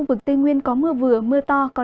nam bộ cũng có mưa vừa mưa to